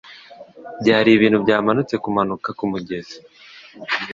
Byari ibintu byamanutse kumanuka kumugezi.